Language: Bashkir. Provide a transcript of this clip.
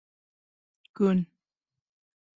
Көн